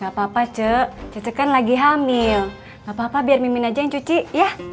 gak apa apa cek cece kan lagi hamil gak apa apa biar mimin aja yang cuci ya